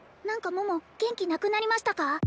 何か桃元気なくなりましたか？